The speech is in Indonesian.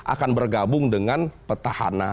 akan bergabung dengan petahana